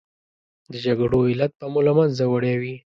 د جګړو علت به مو له منځه وړی وي.